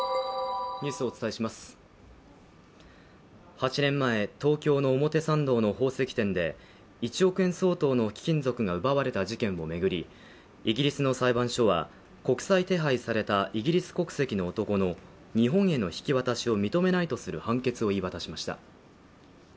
８年前、東京の表参道の宝石店で１億円相当の貴金属が奪われた事件を巡り、イギリスの裁判所は、国際手配されたイギリス国籍の男の日本への引き渡しを認めないとする判決を言い渡しました。